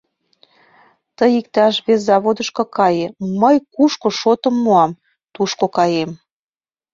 Тый иктаж вес заводышко кае, мый кушко шотым муам, тушко каем.